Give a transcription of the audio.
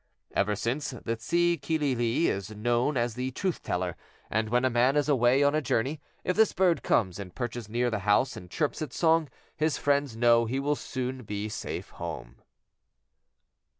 Ever since the tsi'kilili' is known as a truth teller, and when a man is away on a journey, if this bird comes and perches near the house and chirps its song, his friends know he will soon be safe home.